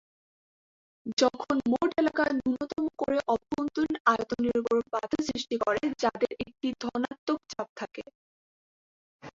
যখন মোট এলাকা নূন্যতম করে অভ্যন্তরীণ আয়তন এর উপর বাধা সৃষ্টি করে, যাদের একটি ধনাত্মক চাপ থাকে।